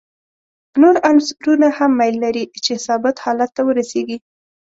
نور عنصرونه هم میل لري چې ثابت حالت ته ورسیږي.